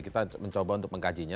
kita mencoba untuk mengkajinya